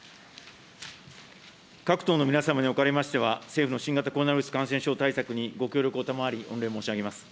各党の皆様におかれましては、政府の新型コロナウイルス感染症対策にご協力を賜り、御礼申し上げます。